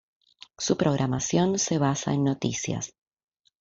Su programación se basa en noticias.